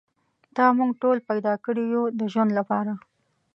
تا موږ ټول پیدا کړي یو د ژوند لپاره.